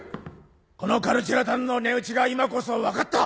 このカルチェラタンの値打ちが今こそ分かった！